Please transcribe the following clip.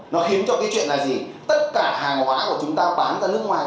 nó khiến cho cái chuyện là gì tất cả hàng hóa của chúng ta bán ra nước ngoài